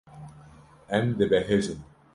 Em dibehecin.